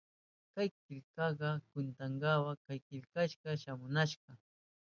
Kay killkaka kwintawan kutikashka shamunanta.